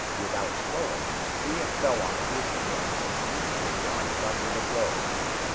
Without slowing, Brion fell onto his hands and easily dodged under the blow.